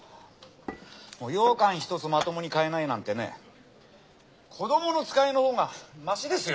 ようかん１つまともに買えないなんてね子供の使いのほうがましですよ。